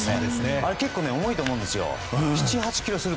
あれ結構、重いと思うんですよ。